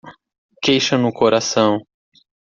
Queixa no coração